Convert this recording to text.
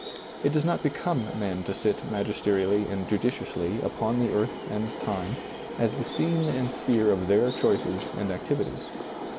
It does not become men to sit magis terially and judicially, upon the earth and time, as the scene and sphere of their choices and ac tivities.